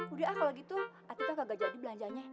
udah kalau gitu adhika kagak jadi belanjanya